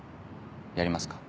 やりますか？